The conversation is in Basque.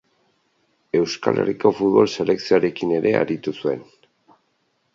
Euskal Herriko futbol selekzioarekin ere aritu zuen.